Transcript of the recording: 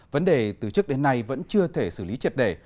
vấn đề từ trước đến nay vẫn chưa thể xử lý triệt đề